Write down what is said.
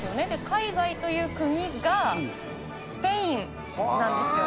海外という国がスペインなんですよ。